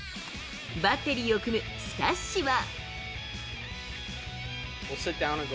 バッテリーを組むスタッシは。